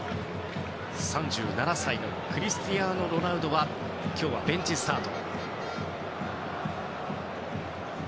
３７歳のクリスティアーノ・ロナウドは今日はベンチスタート。